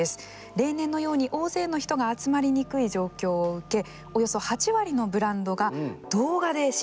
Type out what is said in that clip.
例年のように大勢の人が集まりにくい状況を受けおよそ８割のブランドが動画で新作を発表しました。